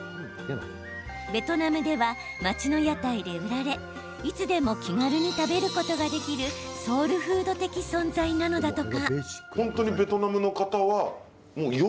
ベトナムでは、街の屋台で売られいつでも気軽に食べることができるソウルフード的存在なのだとか。